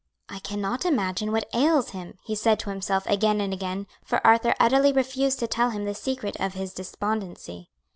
"I cannot imagine what ails him," he said to himself again and again; for Arthur utterly refused to tell him the secret of his despondency.